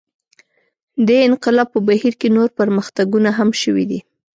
دې انقلاب په بهیر کې نور پرمختګونه هم شوي دي.